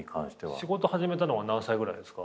仕事始めたのは何歳ぐらいですか？